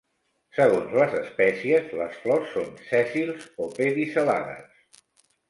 Segons les espècies, les flors són sèssils o pedicel·lades.